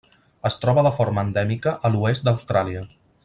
Es troba de forma endèmica a l'oest d'Austràlia.